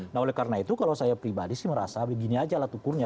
nah oleh karena itu kalau saya pribadi sih merasa gini aja lah tukurnya